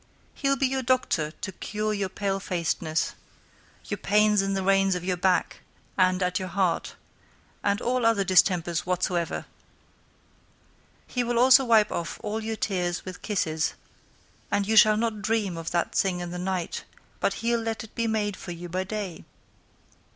He'l be your Doctor to cure your palefac'dness, your pains in the reins of your back, and at your heart, and all other distempers whatsoever. He will also wipe of all your tears with kisses; and you shall not dream of that thing in the night, but he'l let it be made for you by day.